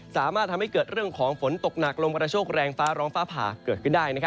สามารถทำให้เกิดเรื่องของฝนตกหนักลมกระโชคแรงฟ้าร้องฟ้าผ่าเกิดขึ้นได้